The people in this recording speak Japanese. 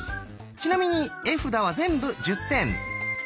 ちなみに絵札は全部１０点。